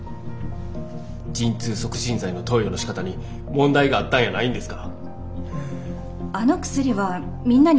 陣痛促進剤の投与のしかたに問題があったんやないんですか？